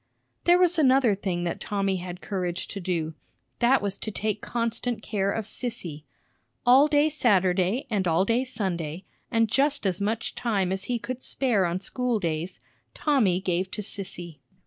There was another thing that Tommy had courage to do; that was to take constant care of Sissy. All day Saturday and all day Sunday, and just as much time as he could spare on school days, Tommy gave to Sissy.